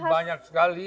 dan banyak sekali